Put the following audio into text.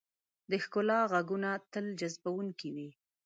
د ښکلا ږغونه تل جذبونکي وي.